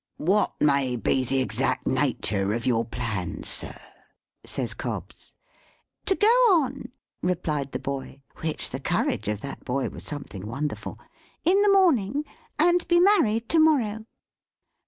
"What may be the exact natur of your plans, sir?" says Cobbs. "To go on," replied the boy, which the courage of that boy was something wonderful! "in the morning, and be married to morrow."